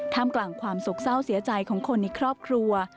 กลางกลางความโศกเศร้าเสียใจของคนในครอบครัว